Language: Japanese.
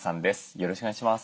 よろしくお願いします。